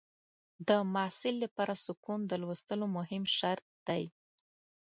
د محصل لپاره سکون د لوستلو مهم شرط دی.